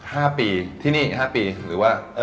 ห้าปีที่นี่ห้าปีหรือว่าเอ่อ